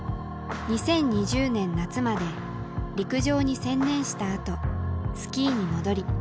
２０２０年夏まで陸上に専念したあとスキーに戻り